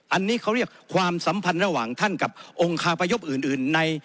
อันนี้เขาเรียกความสัมพันธ์ระหว่างท่านกับองค์คาพยพอื่นใน